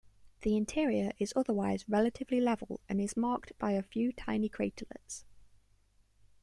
The interior is otherwise relatively level and is marked by a few tiny craterlets.